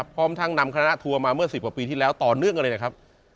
พร้อมทั้งนำคณะทัวร์มาเมื่อ๑๐กว่าปีที่แล้วต่อเนื่องกันเลยนะครับ